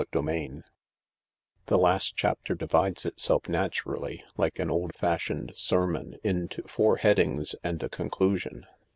CHAPTER XXXI The last chapter divides itself naturally, like an old fashioned sermon, into four headings and a conclusion.